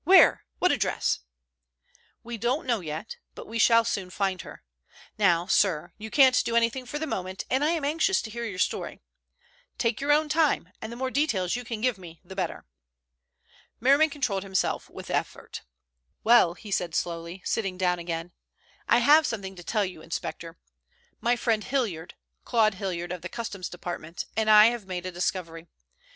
"Where? What address?" "We don't know yet, but we shall soon find her. Now, sir, you can't do anything for the moment, and I am anxious to hear your story. Take your own time, and the more details you can give me the better." Merriman controlled himself with an effort. "Well," he said slowly, sitting down again, "I have something to tell you, inspector. My friend Hilliard—Claud Hilliard of the Customs Department—and I have made a discovery.